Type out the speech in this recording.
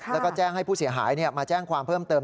แล้วก็แจ้งให้ผู้เสียหายมาแจ้งความเพิ่มเติม